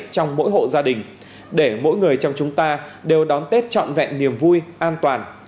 trong mỗi hộ gia đình để mỗi người trong chúng ta đều đón tết trọn vẹn niềm vui an toàn